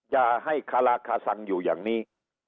อย่าให้คาราคาซังอยู่อย่างนี้